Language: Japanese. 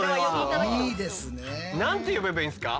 何て呼べばいいんですか？